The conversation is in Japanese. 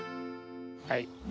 はい。